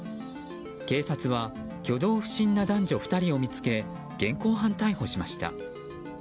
警察は挙動不審な男女２人を見つけ現行犯逮捕しました。